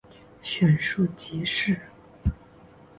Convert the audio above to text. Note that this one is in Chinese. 选庶吉士。